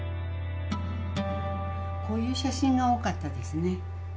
こういう写真が多かったですね。